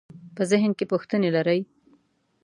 په ذهن کې پوښتنې لرئ؟